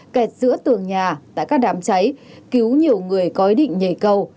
kẹt giữa tường nhà tại các đám cháy cứu nhiều người có ý định nhảy cầu